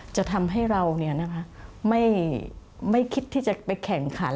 จะทำให้เราไม่คิดที่จะไปแข่งขัน